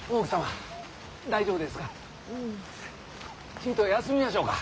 ちいと休みましょうか？